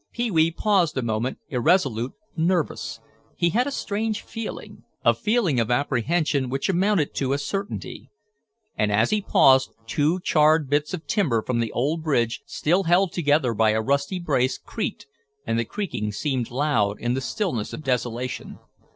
Pee wee paused a moment, irresolute, nervous. He had a strange feeling, a feeling of apprehension which amounted to a certainty. And as he paused two charred bits of timber from the old bridge, still held together by a rusty brace, creaked, and the creaking seemed loud in the stillness of desolation.